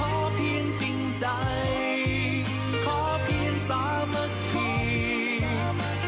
ขอเพียงจริงใจขอเพียงสามัคคี